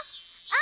あ！